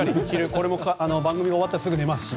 これも番組終わったらすぐ寝ますし。